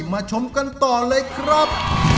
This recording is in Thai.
มาชมกันต่อเลยครับ